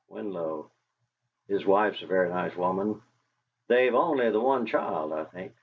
Winlow! His wife's a very nice woman. They've only the one child, I think?"